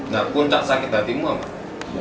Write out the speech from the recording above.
nah puncak sakit hatimu pak